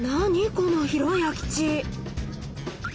この広い空き地！